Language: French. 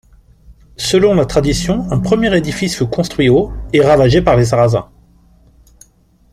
Selon la tradition, un premier édifice fut construit au et ravagé par les sarrazins.